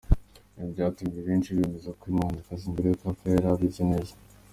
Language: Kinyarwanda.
Ibi byatumye benshi bemeza ko uyu muhanzikazi mbere y’uko apfa yari abizi neza.